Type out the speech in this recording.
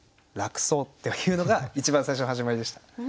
楽そうっていうのが一番最初の始まりでした。